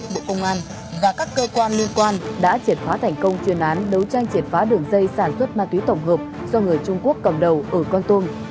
liên quan đã triệt phá thành công chuyên án đấu tranh triệt phá đường dây sản xuất ma túy tổng hợp do người trung quốc cầm đầu ở con tôn